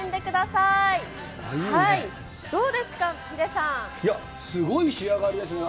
いや、すごい仕上がりですね。